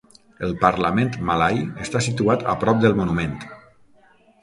El Parlament Malai està situat a prop del monument.